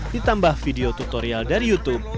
ditambah video tutorial dari youtube